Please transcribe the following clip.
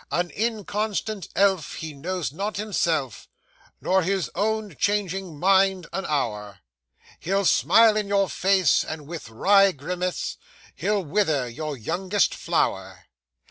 An inconstant elf, he knows not himself, Nor his own changing mind an hour, He'll smile in your face, and, with wry grimace, He'll wither your youngest flower.